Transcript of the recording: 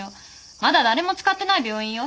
まだ誰も使ってない病院よ。